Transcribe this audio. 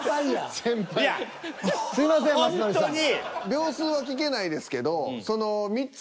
秒数は聞けないですけどその。